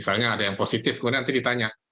misalnya ada yang positif kemudian nanti ditanya